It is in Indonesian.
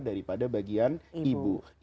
daripada bagian ibunya